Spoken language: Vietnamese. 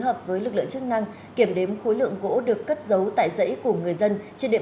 dấu lực lượng chức năng kiểm đếm khối lượng gỗ được cất giấu tại rẫy của người dân trên địa